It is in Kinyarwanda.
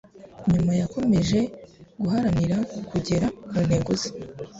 Nyuma yakomeje guharanira kugera ku ntego ze,